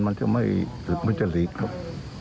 มันจะไม่เกิดมันจะหลีกครับ